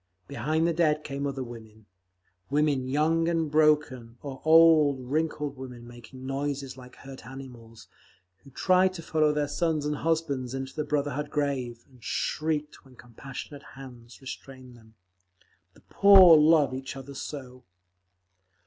Behind the dead came other women—women young and broken, or old, wrinkled women making noises like hurt animals, who tried to follow their sons and husbands into the Brotherhood Grave, and shrieked when compassionate hands restrained them. The poor love each other so!